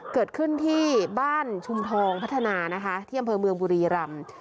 เกิดขึ้นที่บ้านชุมทองพัฒนานะคะที่อำเภอเมืองบุรีรำ